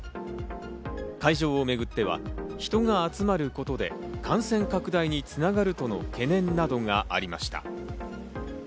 会場をめぐっては、人が集まることで感染拡大に繋がるとの懸念などがありました。